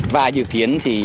và dự kiến